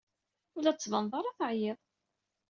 Ur la d-tettbaneḍ ara teɛyiḍ.